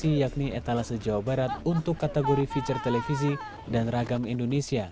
kepala penyiaran di jawa barat adalah kategori yang terbaik untuk kategori feature televisi dan ragam indonesia